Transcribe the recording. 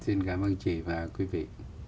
xin cảm ơn chị và quý vị